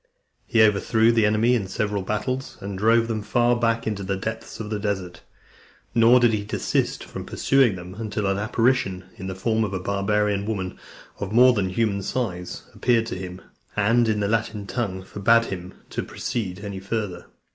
He overthrew the enemy in several battles, and drove them far back into the depths of the desert. Nor did he desist from pursuing them, until an apparition, in the form of a barbarian woman, of more than human size, appeared to him, and, in the Latin tongue, forbad him to proceed any farther.